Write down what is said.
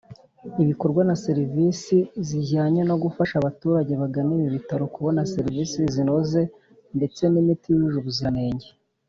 Ibikorwa na serivisi zijyanye no gufasha abaturage bagana ibi bitaro kubona serivisi zinoze ndetse n’imiti yujuje ubuzirantenge.